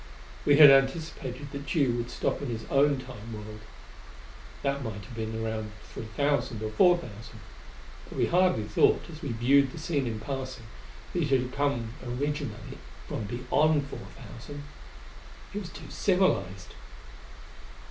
We had anticipated that Tugh would stop in his own Time world. That might have been around 3,000 or 4,000; but we hardly thought, as we viewed the scene in passing, that he had come originally from beyond 4,000. He was too civilized.